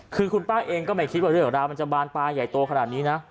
คือคุณป้าเองก็ไม่คิดว่าเรื่องราวมันจะบานปลายใหญ่โตขนาดนี้นะ